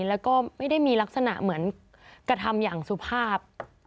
แล้วก็ไม่ได้มีลักษณะเหมือนกระทำอย่างสุภาพ